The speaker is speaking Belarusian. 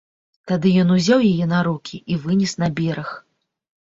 Тады ён узяў яе на рукі і вынес на бераг.